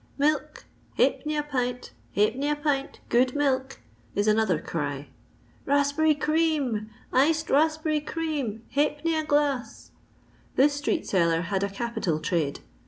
" Milk ! ha'penny a pint ! ha'penny a pint, good milkl" is another cry. " Kaspberry cream ! Iced raspberry cream, ha'penny a glass !" This street seller had a capital trade.